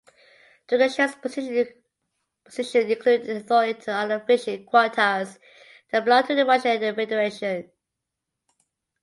Tugushev’s position included authority to allot fishing quotas that belonged to the Russian Federation.